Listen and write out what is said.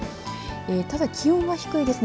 ただ、気温は低いですね。